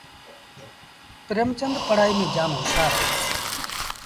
پريمچندپڙهآئيٚ ميݩ جآم هوشآر اهي